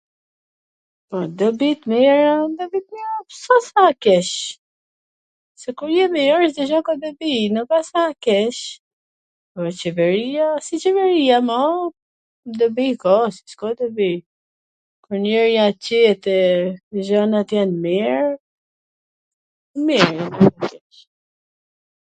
Po dobi t mira ... s a se a keq, se kur je mir Cdo gjw ka dobii, s a keq, po qeveria si qeveria ma, dobi ka, si s ka dobi, kur njeri a qet e gjanat jam mir, mir a, jo keq